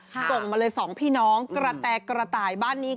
ส่งมาเลย๒พี่น้องกระแตกระต่ายบ้านนี้